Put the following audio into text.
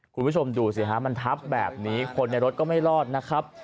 คุณผู้ชมดูสิฮะมันทับแบบนี้คนในรถก็ไม่รอดนะครับ